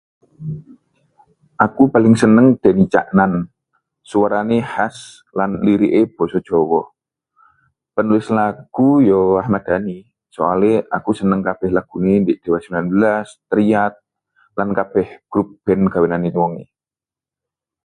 Aku paling seneng Deni Caknan; suarane khas lan lirike boso jowo. Penulis lagu yo Ahmad Dani, soale aku seneng kabeh lagune ndik Dewa 19, Triad, lan kabeh group band gawenane wonge.